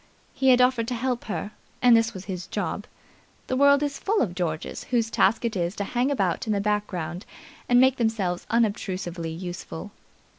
He had offered to help her, and this was his job. The world is full of Georges whose task it is to hang about in the background and make themselves unobtrusively useful.